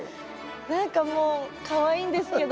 何かもうかわいいんですけど。